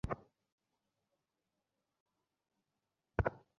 সুতরাং, যে কুকুরটি চতুর্থ এসেছে, সেটাই তৃতীয়।